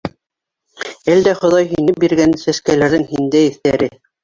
Әлдә Хоҙай һине биргән, Сәскәләрҙең һиндә еҫтәре.